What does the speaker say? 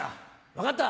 分かった。